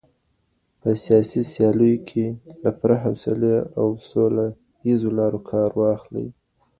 په سياسي سياليو کي له پوره حوصلې او سوله ييزو لارو کار واخلئ.